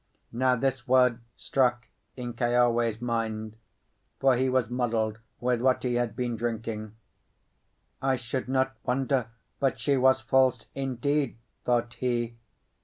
Now, this word struck in Keawe's mind; for he was muddled with what he had been drinking. "I should not wonder but she was false, indeed," thought he.